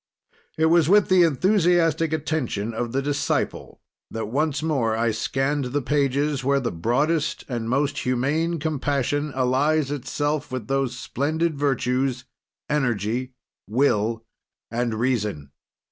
It was with the enthusiastic attention of the disciple that once more I scanned the pages, where the broadest and most humane compassion allies itself with those splendid virtues: energy, will and reason.